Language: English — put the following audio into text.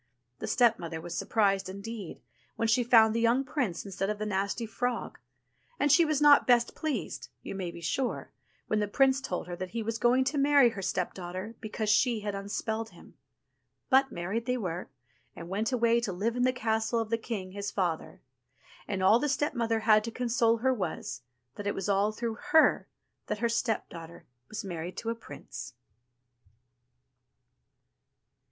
The stepmother was surprised indeed when she found the young prince instead of the nasty frog, and she was not best pleased, you may be sure, when the prince told her that he was going to marry her stepdaughter because she had unspelled him. But married they were, and went away to live in the castle of the king, his father ; and all the step mother had to console her was, that it was all through her that her stepdaughter was married to a prince.